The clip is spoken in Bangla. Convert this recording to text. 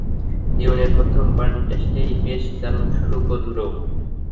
জীবনের প্রথম কন্টেস্টেই, বেশ দারুণ শুরু করল!